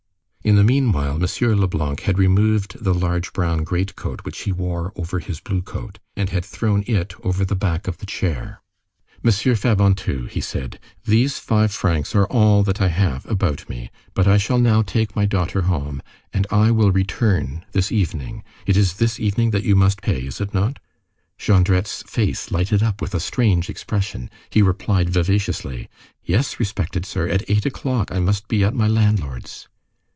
In the meanwhile, M. Leblanc had removed the large brown great coat which he wore over his blue coat, and had thrown it over the back of the chair. "Monsieur Fabantou," he said, "these five francs are all that I have about me, but I shall now take my daughter home, and I will return this evening,—it is this evening that you must pay, is it not?" Jondrette's face lighted up with a strange expression. He replied vivaciously:— "Yes, respected sir. At eight o'clock, I must be at my landlord's."